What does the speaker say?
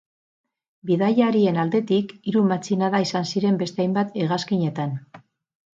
Bidaiarien aldetik hiru matxinada izan ziren beste hainbat hegazkinetan.